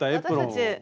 私たち。